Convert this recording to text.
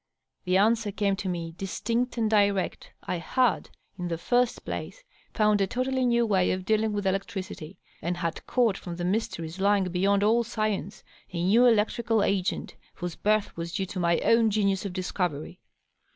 The answer came to me, distinct and direct I had, in the first place, found a totally new way of dealing with electricity, and had caught fix>m the mysteries lying beyond all science a new electrical agent whose birth was due to my own genius of discovery.